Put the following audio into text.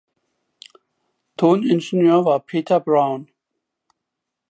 Toningenieur war Peter Brown.